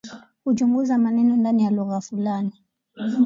Huchunguza maneno ndani ya lugha fulani